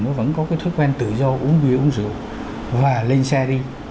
nó vẫn có cái thói quen tự do uống bia uống rượu và lên xe đi